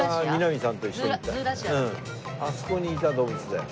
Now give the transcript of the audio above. あそこにいた動物だよ。